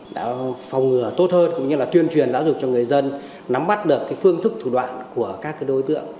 đã phòng ngừa tốt hơn cũng như là tuyên truyền giáo dục cho người dân nắm bắt được phương thức thủ đoạn của các đối tượng